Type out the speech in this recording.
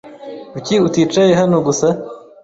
Kuki uticaye hano gusa?